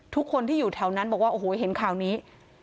ทุกคนที่อยู่แถวนั้นบอกว่าโอ้โหเห็นข่าวนี้